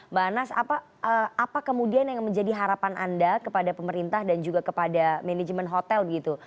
mbak anas apa kemudian yang menjadi harapan anda kepada pemerintah dan juga kepada manajemen hotel begitu